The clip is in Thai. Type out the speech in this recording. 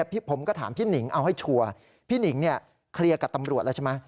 ผมก็ถามพี่หนิงเอาให้ชัวร์พี่หนิงเนี่ยเคลียร์กับตำรวจแล้วใช่ไหม